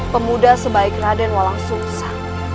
pemuda sebaik radenolang sosa